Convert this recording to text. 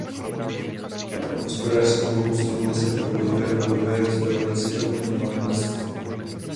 Hospodářský Dvůr Bohuslavice provozuje restauraci a ubytování na statku.